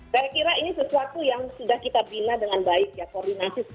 saya kira ini sesuatu yang kalau saya lihat dengan keadaan yang lebih kelas